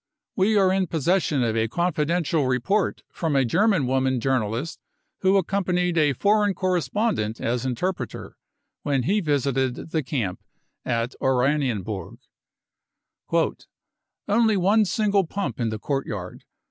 We are in possession of a confidential report from a German woman journalist who accompanied a foreign correspondent as interpreter when he visited the camp at Oranienburg :" Only one single pump in the courtyard.